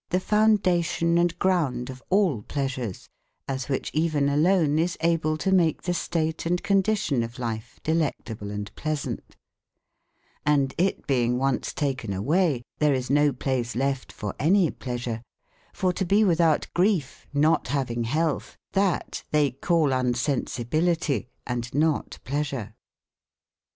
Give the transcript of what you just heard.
|^g foundation and grounde of all pleasures, as whiche even alone is bable to make the state and condition of life delectable and pleasaunt, Hnd it beyng once taken awaye, there is no place lef te for any pleasure, for to be without greife not havinge health, that they call unsen/ sibilitie, andnot pleasure.